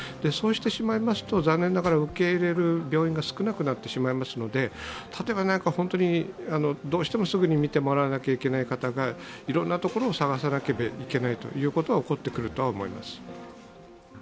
そうしてしまいますと残念ながら受け入れる病院が少なくなってしまいますので本当にどうしてもすぐに診てもらわなきゃいけない方がいろんなところを探さなければいけないということが起こってくるとは思います。